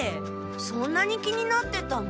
そんなに気になってたの？